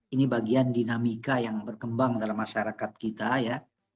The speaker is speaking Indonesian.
ini bagian dinamika yang berkembang dalam masyarakat kita ya